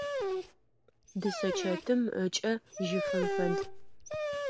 Дышъэчэтым ыкӏэ жьыфым фэд.